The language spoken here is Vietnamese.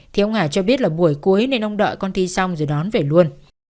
thì ông hà cho biết là buổi cuối nên ông đợi con thi xong rồi đón về luôn